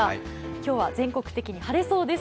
今日は全国的に晴れそうです。